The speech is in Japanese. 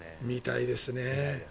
見たいですね。